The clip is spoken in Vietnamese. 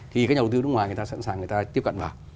thì các nhà đầu tư nước ngoài người ta sẵn sàng người ta tiếp cận vào